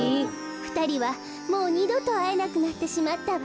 ふたりはもうにどとあえなくなってしまったわ。